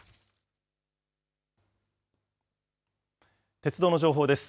鉄道の情報です。